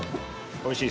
おいしい？